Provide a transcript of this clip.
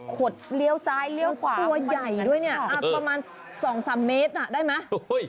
ขดเลี้ยวซ้ายเลี้ยวขวาตัวใหญ่ด้วยเนี่ยประมาณ๒๓เมตรน่ะได้ไหม